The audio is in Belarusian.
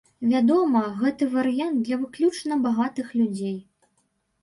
Вядома, гэта варыянт для выключна багатых людзей.